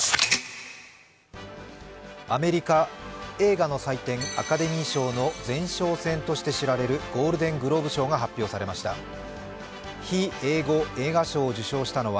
アメリカ映画の祭典、アカデミー賞の前哨戦として知られるゴールデングローブ賞が発表されました。